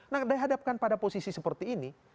nah dihadapkan pada posisi seperti ini